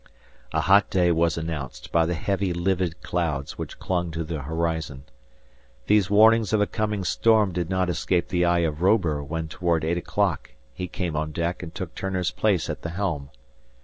A hot day was announced by the heavy livid clouds which clung to the horizon. These warnings of a coming storm did not escape the eye of Robur when toward eight o'clock he came on deck and took Turner's place at the helm.